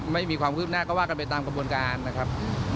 ไม่มีความคืบหน้าก็ว่ากันไปตามกระบวนการนะครับ